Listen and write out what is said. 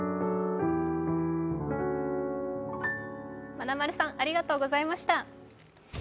まなまるさん、ありがとうございました。